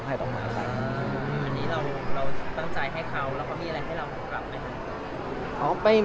อันนี้เราตั้งใจให้เขาแล้วเขามีอะไรให้เรากลับไหมครับ